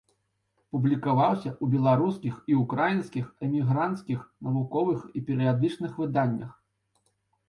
Публікаваўся ў беларускіх і ўкраінскіх эмігранцкіх навуковых і перыядычных выданнях.